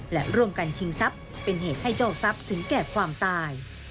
และร่วมกันชิงทรัพย์เป็นเหตุให้เจ้าทรัพย์ถึงแก่ความตาย